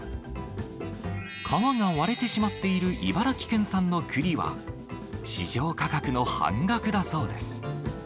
皮が割れてしまっている茨城県産のクリは、市場価格の半額だそうです。